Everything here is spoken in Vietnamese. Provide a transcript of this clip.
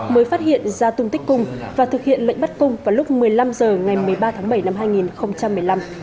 mới phát hiện ra tung tích cung và thực hiện lệnh bắt cung vào lúc một mươi năm h ngày một mươi ba tháng bảy năm hai nghìn một mươi năm